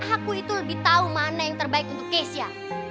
aku itu lebih tahu mana yang terbaik untuk keisha